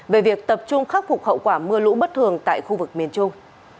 về việc tập trung khắc phục hậu quả mưa lũ bất thường tại khu vực miền trung